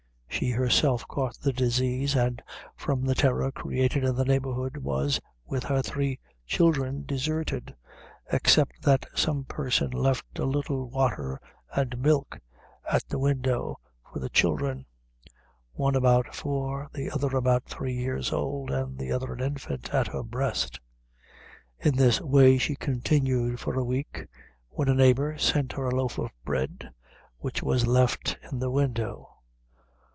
She herself caught the disease, and from the terror created in the neighborhood, was, with her three children, deserted except that some person left a little water and milk at the window for the children, one about four, the other about three years old, and the other an infant at her breast. In this way she continued for a week, when a neighbor sent her a loaf of bread, which was left in the window.